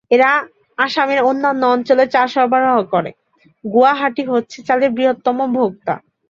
এরা আসামের অন্যান্য অঞ্চলে চাল সরবরাহ করে; গুয়াহাটি হচ্ছে চালের বৃহত্তম ভোক্তা।